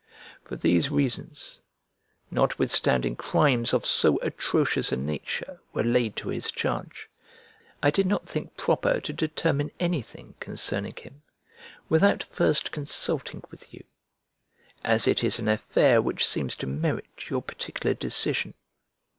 For these reasons, notwithstandng crimes of so atrocious a nature were laid to his charge, I did not think proper to determine anything concerning him, without first consulting with you, as it is an affair which seems to merit your particular decision.